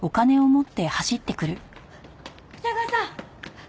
二川さん！